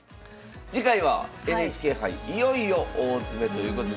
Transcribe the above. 次回は「ＮＨＫ杯いよいよ大詰め！」ということで。